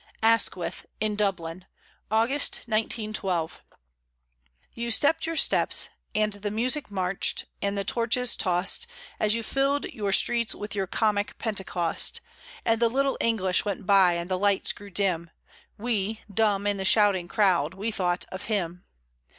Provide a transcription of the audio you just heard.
ASQUITH IN DUBLIN (AUGUST, 1912) You stepped your steps, and the music marched, and the torches tossed As you filled your streets with your comic Pentecost, And the little English went by and the lights grew dim; We, dumb in the shouting crowd, we thought of Him.